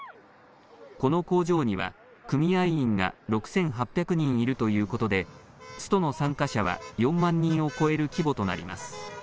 この工場には組合員が６８００人いるということでストの参加者は４万人を超える規模となります。